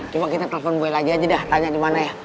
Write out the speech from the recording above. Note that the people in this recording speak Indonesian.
coba kita telfon boy lagi aja dah tanya dimana ya